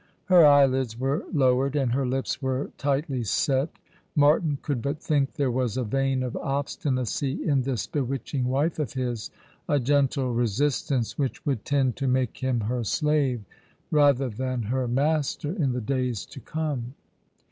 Her eyelids were lowered, and her lips were tightly set. Martin could but think there was a vein of obstinacy in this bewitching wife of his — a gentle resistance which would tend to make him her slave rather than her master in the days to come.